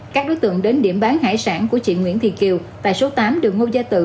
các đối tượng đến điểm bán hải sản của chị nguyễn thị kiều tại số tám đường ngô gia tự